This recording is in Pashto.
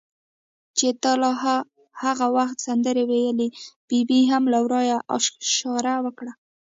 چې تا لا هغه وخت سندرې ویلې، ببۍ هم له ورایه اشاره وکړه.